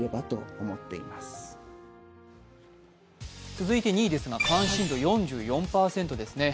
続いて２位ですが、関心度４４％ですね。